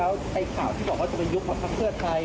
แล้วไทยข่าวที่บอกว่าจะเป็นยุคบอกเขาเพื่อใคร